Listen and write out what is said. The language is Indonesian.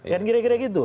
kan kira kira gitu